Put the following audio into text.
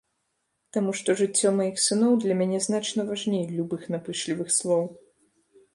Таму што жыццё маіх сыноў для мяне значна важней любых напышлівых слоў.